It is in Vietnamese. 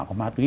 của ma túy